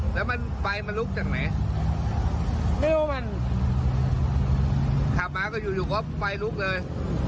แล้วมันไฟมันลุกจากไหนไม่รู้มันขับมาก็อยู่อยู่ก็ไฟลุกเลย